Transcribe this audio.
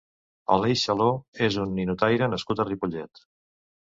Aleix Saló és un ninotaire nascut a Ripollet.